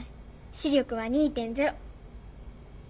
視力は２．０。